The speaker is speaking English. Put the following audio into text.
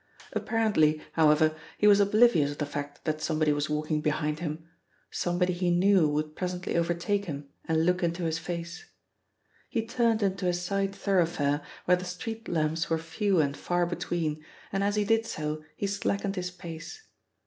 Apparently, however, he was oblivious of the fact that somebody was walking behind him, somebody he knew would presently overtake him and look into his face. He turned into a side thoroughfare where the street lamps were few and far between, and as he did so he slackened his pace.